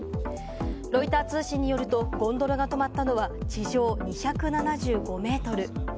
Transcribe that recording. ロイター通信によるとゴンドラが止まったのは地上２７５ｍ。